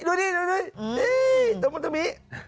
ดูดิดูดิตะมุนตะมิ